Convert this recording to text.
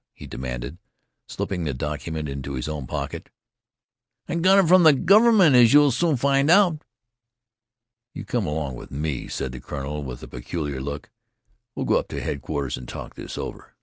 he demanded, slipping the document into his own pocket. "I got it from the Government, as you'll soon find out!" "You come along with me," said the colonel with a peculiar look. "We'll go up to headquarters and talk this over.